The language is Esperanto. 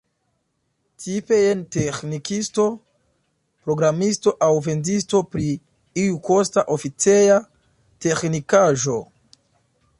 Tipe jen teĥnikisto, programisto, aŭ vendisto pri iu kosta oficeja teĥnikaĵo.